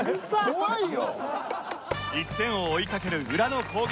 １点を追いかける裏の攻撃。